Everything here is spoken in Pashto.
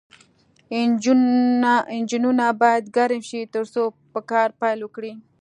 انجنونه باید ګرم شي ترڅو په کار پیل وکړي